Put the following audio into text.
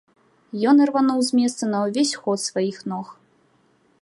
Ён ірвануў з месца на ўвесь ход сваіх ног.